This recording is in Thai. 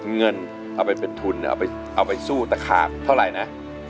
เงินเอาไปเป็นทุนเอาไปสู้ตะขาบเท่าไหร่นะ